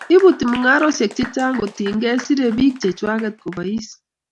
iputi mungaroshek che chang kotinge sire pik che chwaget kopais